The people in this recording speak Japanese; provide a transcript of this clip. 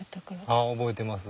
ああ覚えてます。